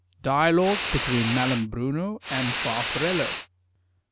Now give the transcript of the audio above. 33 ) DIALOGUE BETWEEN MALAMBRUNO AND FARFARELLO.